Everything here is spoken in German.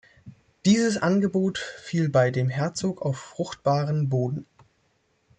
Dieses Angebot fiel bei dem Herzog auf fruchtbaren Boden.